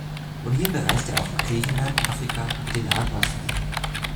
Von hier bereiste er auch Griechenland, Afrika und den Nahen Osten.